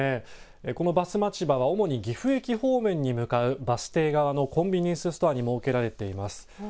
このバスまちばは、主に岐阜駅方面に向かうバス停側のコンビニエンスストアに設けられています。